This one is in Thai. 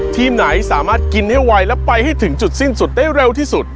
ทีมไหนสามารถกินให้ไวและไปให้ถึงจุดสิ้นสุดได้เร็วที่สุด